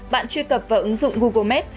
bạn truy cập và ứng dụng google map